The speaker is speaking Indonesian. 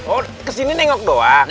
oh kesini nengok doang